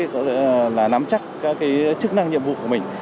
có thể là nắm chắc các chức năng nhiệm vụ của mình